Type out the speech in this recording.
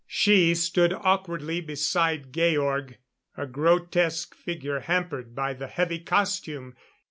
She stood awkwardly beside Georg a grotesque figure hampered by the heavy costume.